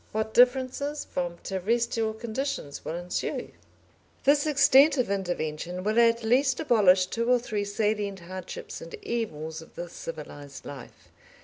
What differences from terrestrial conditions will ensue? This extent of intervention will at least abolish two or three salient hardships and evils of the civilised life.